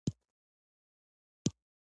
ماشومان او زاړه کسان دواړه خرما خوړلی شي.